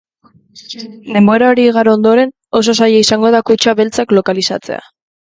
Denbora hori igaro ondoren, oso zaila izango da kutxa beltzak lokalizatzea.